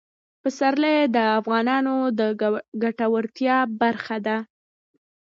پسرلی د افغانانو د ګټورتیا برخه ده.